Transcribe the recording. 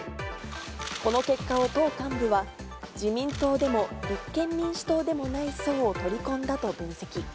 この結果を党幹部は、自民党でも立憲民主党でもない層を取り込んだと分析。